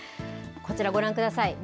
こちらご覧ください。